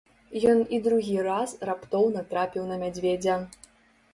Ён і другі раз раптоўна трапіў на мядзведзя.